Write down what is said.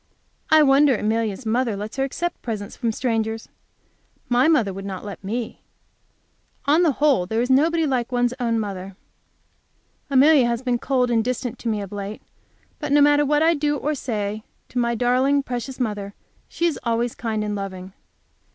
I wonder Amelia's mother lets her accept presents from strangers. My mother would not let me. On the whole, there is nobody like one's own mother. Amelia has been cold and distant to me of late, but no matter what I do or say to my darling, precious mother, she is always kind and loving.